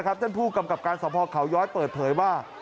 ท่านผู้กำกับการสภเขาย้อยเปิดเผยว่า